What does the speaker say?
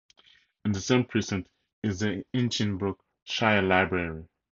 In the same precinct is the Hinchinbrook Shire Library.